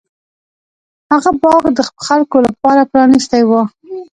هغه باغ د خلکو لپاره پرانیستی و.